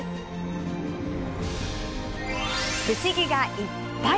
不思議がいっぱい！